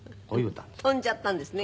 飛んじゃったんですね。